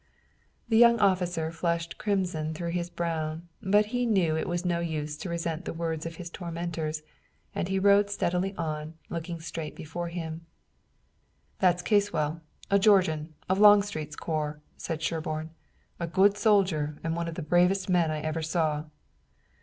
The young officer flushed crimson through his brown, but he knew it was no use to resent the words of his tormentors, and he rode steadily on, looking straight before him. "That's Caswell, a Georgian, of Longstreet's corps," said Sherburne; "a good soldier and one of the bravest men I ever saw."